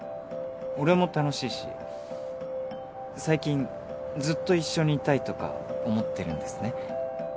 俺も楽しいし最近ずっと一緒にいたいとか思ってるんですね